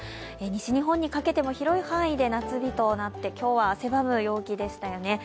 西日本にかけても広い範囲で夏日となって、今日は汗ばむ陽気でしたよね。